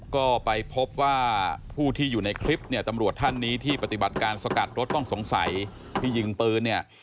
ก็ไปพบว่าผู้ที่อยู่ในคลิปเนี่ยตำรวจท่านนี้ที่ปฏิบัติการสกัดรถต้องสงสัยที่ยิงปืนเนี่ย